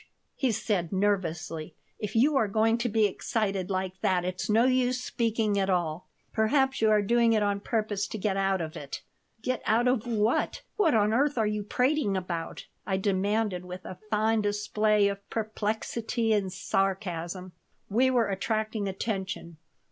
he said, nervously. "If you are going to be excited like that it's no use speaking at all. Perhaps you are doing it on purpose to get out of it." Get out of what? What on earth are you prating about?" I demanded, with a fine display of perplexity and sarcasm We were attracting attention.